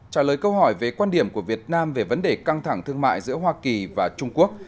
trả lời câu hỏi về quan điểm của việt nam về vấn đề căng thẳng thương mại giữa hoa kỳ và trung quốc